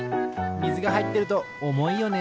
みずがはいってるとおもいよね。